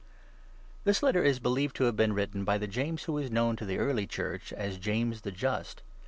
THIS Letter is believed to have been written by the James who was known to the Early Church as ' James the Just.'